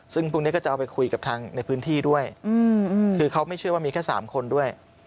ซึ่งพรุ่งนี้ก็จะเอาไปคุยกับทางในพื้นที่ด้วยคือเขาไม่เชื่อว่ามีแค่๓คนด้วย